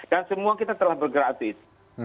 dan semua kita telah bergerak